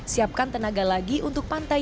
siapkan tenaga lagi untuk pantai